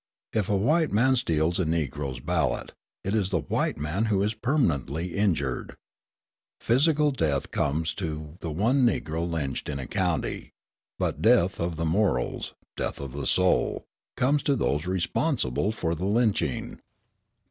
If a white man steals a Negro's ballot, it is the white man who is permanently injured. Physical death comes to the one Negro lynched in a county; but death of the morals death of the soul comes to those responsible for the lynching.